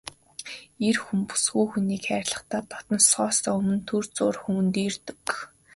Эр хүн бүсгүй хүнийг хайрлахдаа дотносохоосоо өмнө түр зуур хөндийрдөг.